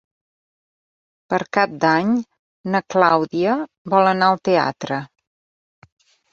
Per Cap d'Any na Clàudia vol anar al teatre.